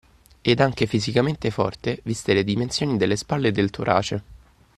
Ed anche fisicamente forte, viste le dimensioni delle spalle e del torace